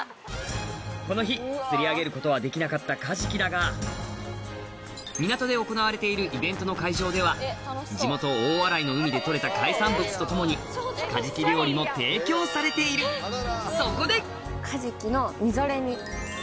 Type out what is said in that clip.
この日釣り上げることはできなかったカジキだが港で行われているイベントの会場では地元大洗の海で取れた海産物と共にカジキ料理も提供されているそこでカジキのみぞれ煮。